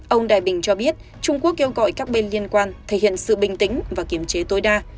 ông đại bình cho biết trung quốc kêu gọi các bên liên quan thể hiện sự bình tĩnh và kiểm chế tối đa